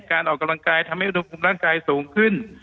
การออกกำลังกายทำให้อุณหภูมิร่างกายสูงขึ้น